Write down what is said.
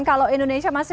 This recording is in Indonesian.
kalau indonesia masih